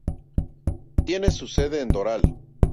Tiene su sede en Doral.